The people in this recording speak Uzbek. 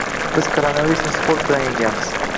Biz koronavirusni sport bilan yengamiz!